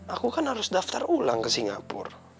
aku kan harus daftar ulang ke singapura